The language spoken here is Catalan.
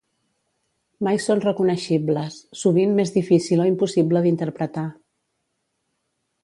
Mai són reconeixibles, sovint més difícil o impossible d'interpretar.